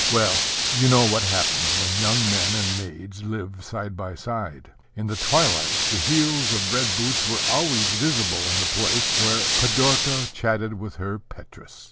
Well, you know what happens when young men and maids live side by side. In the twilight the heels of red boots were always visible in the place where Pidorka chatted with her Petrus.